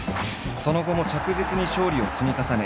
その後も着実に勝利を積み重ね